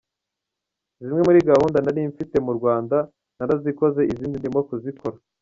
Zimwe muri gahunda nari mfite mu Rwanda narazikoze izindi ndimo kuzikora.